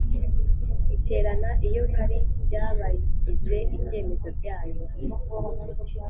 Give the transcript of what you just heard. Iterana iyo hari by abayigize ibyemezo byayo